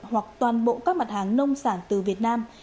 hoặc toàn bộ các mặt hàng nông sản từ việt nam